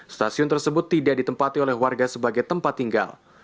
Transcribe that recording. stasiun tersebut tidak ditempati oleh warga sebagai tempat tinggal